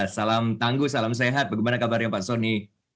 salam tangguh salam sehat bagaimana kabarnya pak soni